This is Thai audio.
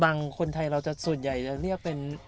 คนไทยเราจะส่วนใหญ่จะเรียกเป็น